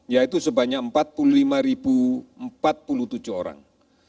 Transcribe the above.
yaitu sebanyak empat puluh lima empat puluh tujuh orang